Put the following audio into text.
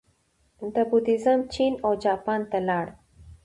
دا بودیزم چین او جاپان ته لاړ